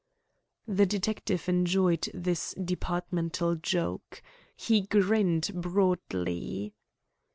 The detective enjoyed this departmental joke. He grinned broadly.